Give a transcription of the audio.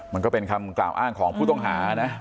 มันก็เป็นคำกล่าวอ้างของผู้ต้องหานะ